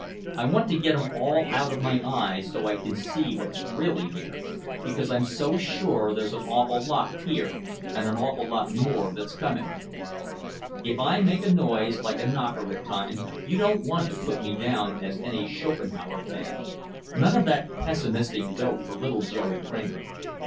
I want to get 'em all out of my eyes so I can see what's really here because I'm so sure there's an awful lot here and an awful lot more that's coming. If I make a noise like a knocker at times you don't want to put me down as any Schopenhauer fan. None of that pessimistic dope for little Joey Kramer.